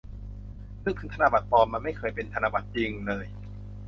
นึกถึงธนบัตรปลอม มันไม่เคยเป็นธนบัตรจริงเลย